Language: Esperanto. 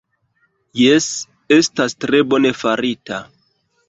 Jes, estas tre bone farite